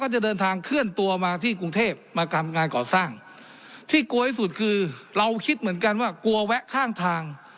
ที่กลัวไว้สุดคือเราคิดเหมือนกันว่ากลัวแวะข้างทาง